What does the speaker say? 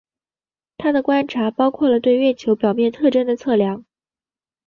他的观察包括了对月球表面特征的测量。